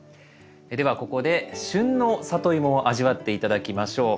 ではここで旬のサトイモを味わって頂きましょう。